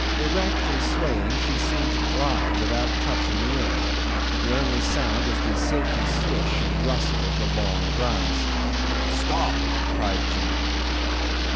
Erect and swaying, she seemed to glide without touching the earth; the only sound was the silky swish and rustle of the long grass. "Stop!" cried Jim.